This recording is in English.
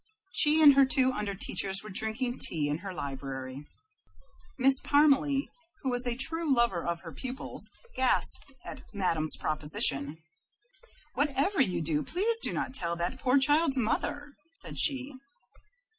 She and her two under teachers were drinking tea in her library. Miss Parmalee, who was a true lover of her pupils, gasped at Madame's proposition. "Whatever you do, please do not tell that poor child's mother," said she.